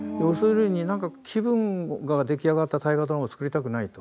気分が出来上がった大河ドラマを作りたくないと。